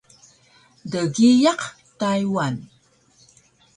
Dgiyaq Taywan